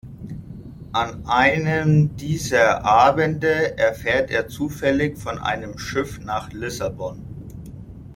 An einem dieser Abende erfährt er zufällig von einem Schiff nach Lissabon.